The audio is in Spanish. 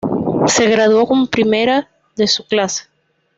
Se graduó como primera de su clase.